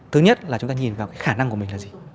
thứ nhất là chúng ta nhìn vào cái khả năng của mình là gì